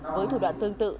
với thủ đoạn tương tự